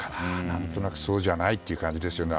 何となく、そうじゃないという気がしますよね。